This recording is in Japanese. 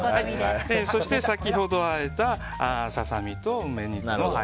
そして、先ほどあえたささ身と梅肉。